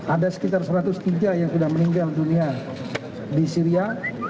ada sekitar satu ratus tiga yang sudah meninggal dunia di syria